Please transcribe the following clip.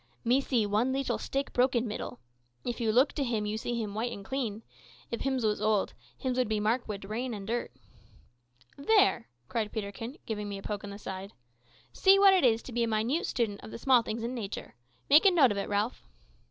"Me see one leetle stick brok in middel. If you look to him you see him white and clean. If hims was old, hims would be mark wid rain and dirt." "There!" cried Peterkin, giving me a poke in the side, "see what it is to be a minute student of the small things in nature. Make a note of it, Ralph."